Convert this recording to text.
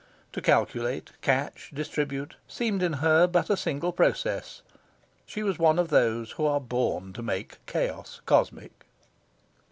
To calculate, catch, distribute, seemed in her but a single process. She was one of those who are born to make chaos cosmic.